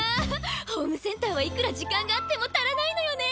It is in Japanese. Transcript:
ホームセンターはいくら時間があっても足らないのよね。